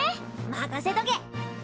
任せとけ！